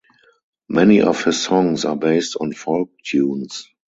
Many of his songs are based on folk tunes.